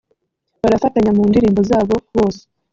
barafatanya mu ndirimbo zabo bose